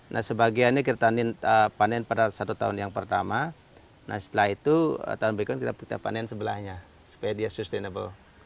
nah sebagiannya kita panen pada satu tahun yang pertama nah setelah itu tahun berikutnya kita panen sebelahnya supaya dia sustainable